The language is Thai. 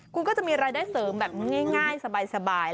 คุณก็จะมีรายได้เสริมแบบง่ายสบาย